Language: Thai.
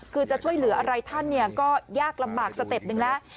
คือจะช่วยเหลืออะไรท่านก็ยากลำบากสเต็ปหนึ่งแล้ว